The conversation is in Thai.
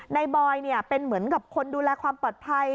บอยเป็นเหมือนกับคนดูแลความปลอดภัย